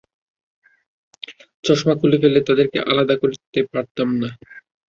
চশমা খুলে ফেললে তাদেরকে আর আলাদা করতে পারতাম না।